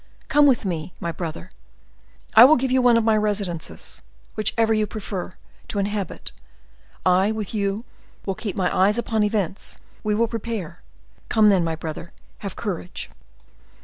Come with me, my brother; I will give you one of my residences, whichever you prefer, to inhabit. I, with you, will keep my eyes upon events; we will prepare. Come, then, my brother, have courage!"